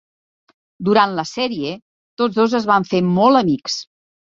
Durant la sèrie tots dos es van fer molt amics.